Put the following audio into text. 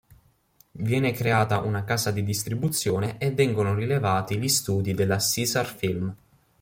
Viene creata una casa di distribuzione e vengono rilevati gli studi della Caesar Film.